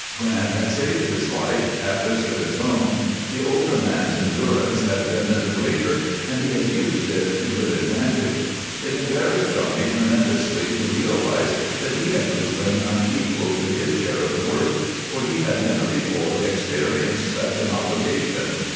Grant had saved his life, at risk of his own; the older man's endurance had been the greater and he had used it to good advantage. It embarrassed Johnny tremendously to realize that he had proven unequal to his share of the work, for he had never before experienced such an obligation.